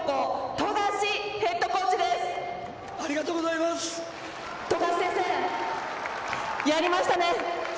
富樫先生、やりましたね。